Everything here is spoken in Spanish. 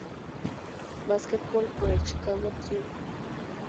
Basketball por el Chicago Tribune.